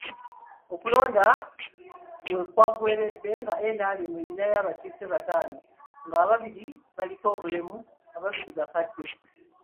Okulonda we kwaggweeridde nga NRM erinayo abakiise bataano nga babiri baliko obulemu, babiri bakadde.